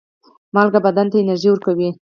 مالګه بدن ته انرژي ورکوي.